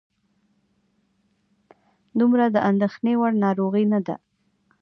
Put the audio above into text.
دومره د اندېښنې وړ ناروغي نه ده.